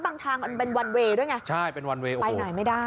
บางทางมันเป็นด้วยไงใช่เป็นโอ้โหไปไหนไม่ได้